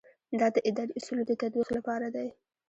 دا د اداري اصولو د تطبیق لپاره دی.